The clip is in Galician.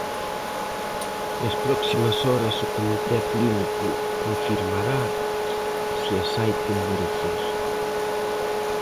Nas próximas horas o comité clínico confirmará se as hai que endurecer.